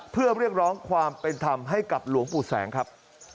เพื่อเรียกร้องความเป็นธรรมให้กับหลวงปู่แสงครับ